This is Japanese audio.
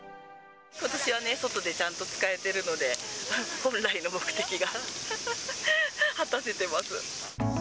ことしは外でちゃんと使えてるので、本来の目的が果たせてます。